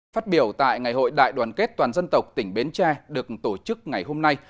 phát biểu tại ngày hội đại đoàn kết toàn dân tộc tỉnh bến tre được tổ chức ngày hôm nay